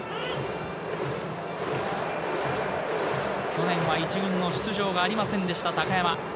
去年は１軍の出場がありませんでした、高山。